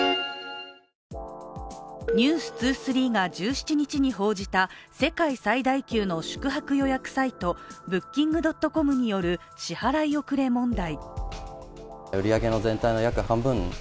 「ｎｅｗｓ２３」が１７日に報じた、世界最大級の宿泊予約サイトＢｏｏｋｉｎｇ．ｃｏｍによる支払い遅れ問題。